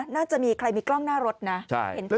น่าจะมีใครรถเกล้ามอบใจโดยกล้องหน้าลูกครับ